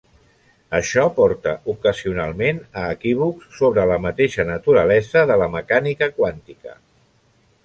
Això porta ocasionalment a equívocs sobre la mateixa naturalesa de la mecànica quàntica.